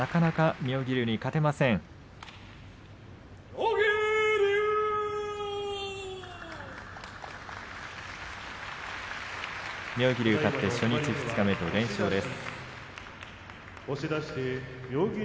妙義龍、勝って初日、二日連勝です。